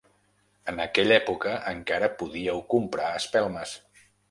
En aquella època encara podíeu comprar espelmes